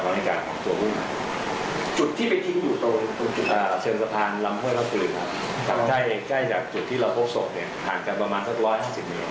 ใกล้เองใกล้จากจุดที่เราพบศพเนี่ยห่างจากประมาณสักวันชิ้นหนึ่ง